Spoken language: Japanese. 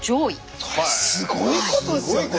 すごいことですよね。